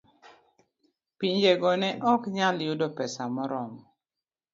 Pinjego ne ok nyal yudo pesa moromo